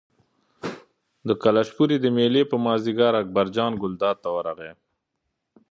د کلشپورې د مېلې په مازدیګر اکبرجان ګلداد ته ورغی.